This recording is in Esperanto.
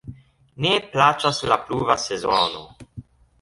Ne plaĉas la pluva sezono.